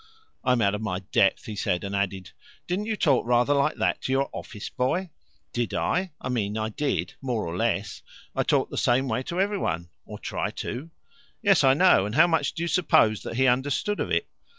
"I'm out of my depth," he said, and added: "Didn't you talk rather like that to your office boy?" "Did I? I mean I did, more or less. I talk the same way to every one or try to." "Yes, I know. And how much do you suppose that he understood of it?"